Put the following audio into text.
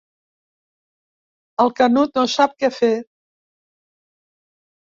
El Canut no sap què fer.